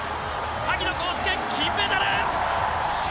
萩野公介金メダル！